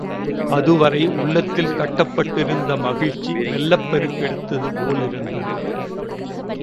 அதுவரை உள்ளத்தில் கட்டுப்பட்டிருந்த சந்தோஷம் வெள்ளப் பெருக்கெடுத்தது போலிருந்தது.